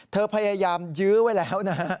เธอพยายามยื้อไว้แล้ว